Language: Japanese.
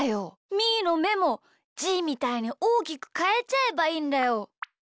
みーのめもじーみたいにおおきくかえちゃえばいいんだよ。